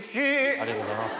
ありがとうございます。